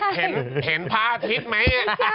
แจงเห็นพาทิศไหม